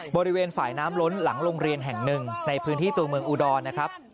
บริเวณฝ่ายน้ำล้นหลังโรงเรียนแห่งหนึ่งในพื้นที่ตัวเมืองอุดรนะครับ